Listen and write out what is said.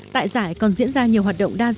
tại giải còn diễn ra nhiều hoạt động đa dạng